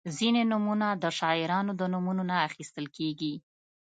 • ځینې نومونه د شاعرانو د نومونو نه اخیستل کیږي.